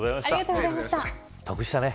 得したね。